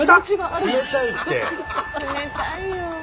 冷たいよ。